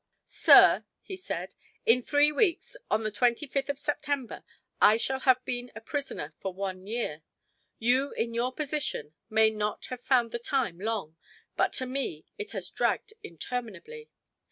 "Sir," he said, "in three weeks, on the twenty fifth of September, I shall have been a prisoner for one year. You in your position may not have found the time long, but to me it has dragged interminably.